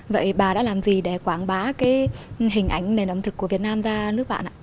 vậy bà đã làm gì để quảng bá cái hình ảnh nền ẩm thực của việt nam ra nước bạn ạ